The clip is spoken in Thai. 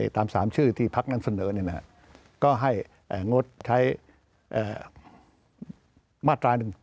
ตาม๓ชื่อที่พักกันเสนอเนี่ยก็ให้งดใช้มาตราหนึ่ง